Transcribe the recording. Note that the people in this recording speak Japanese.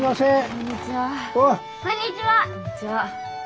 こんにちは。